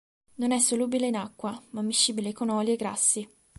Non è solubile in acqua, ma miscibile con oli e grassi.